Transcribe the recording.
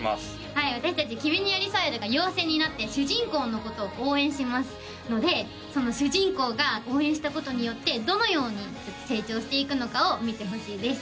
はい私達きみにＹＯＲＩＳＯＥＲＵが妖精になって主人公のことを応援しますのでその主人公が応援したことによってどのように成長していくのかを見てほしいです